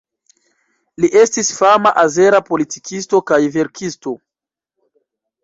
Li estis fama azera politikisto kaj verkisto.